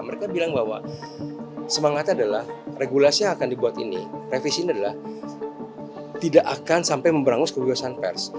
mereka bilang bahwa semangatnya adalah regulasi yang akan dibuat ini revisi ini adalah tidak akan sampai memberangus kebebasan pers